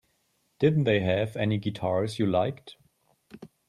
Didn't they have any guitars you liked?